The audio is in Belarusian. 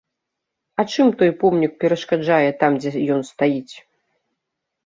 А чым той помнік перашкаджае там, дзе ён стаіць?